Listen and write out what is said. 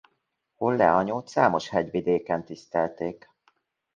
Holle anyót számos hegyvidéken tisztelték.